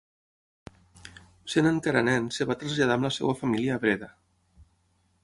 Sent encara nen es va traslladar amb la seva família a Breda.